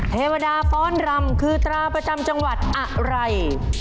เทวดาฟ้อนรำคือตราประจำจังหวัดอะไร